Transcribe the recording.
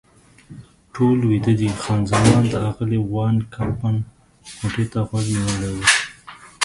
ټول ویده دي، خان زمان د اغلې وان کمپن کوټې ته غوږ نیولی و.